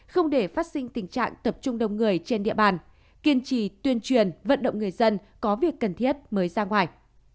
không để phát sinh tình trạng tập trung đông người trên địa bàn kiên trì tuyên truyền vận động người dân có việc cần thiết mới ra ngoài